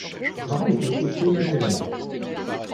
Ce travail était effectué manuellement.